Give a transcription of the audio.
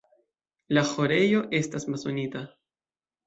La ĥorejo estas masonita.